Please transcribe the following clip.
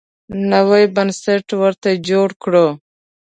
نوی بنسټ ورته جوړ کړو.